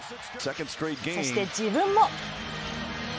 そして自分も。